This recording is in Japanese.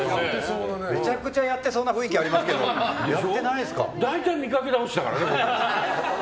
めちゃくちゃやってそうな雰囲気ありますけど大体見かけ倒しだからね、僕。